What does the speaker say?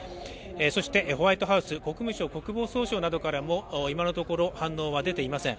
そしてホワイトハウス、国務省、国防総省などからも今のところ反応は出ていません。